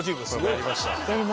やりました。